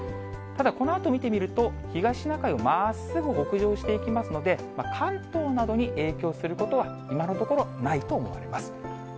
ただ、このあと見てみると、東シナ海をまっすぐ北上していきますので、関東などに影響することは、今のところないと思われます。